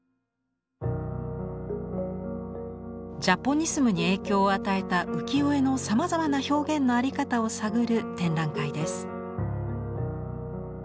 ジャポニスムに影響を与えた浮世絵のさまざまな表現の在り方を探る展覧会です。